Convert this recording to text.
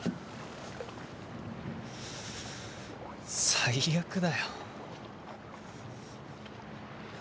最悪だよ。